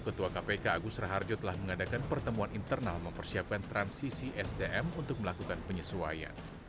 ketua kpk agus raharjo telah mengadakan pertemuan internal mempersiapkan transisi sdm untuk melakukan penyesuaian